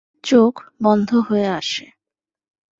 চোখ বন্ধ হয়ে আসে।